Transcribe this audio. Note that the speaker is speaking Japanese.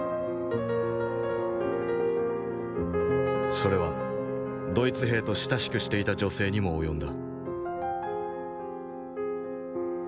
それはドイツ兵と親しくしていた女性にも及んだ。